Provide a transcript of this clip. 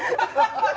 ハハハハ！